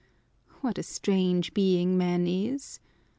What a strange being man is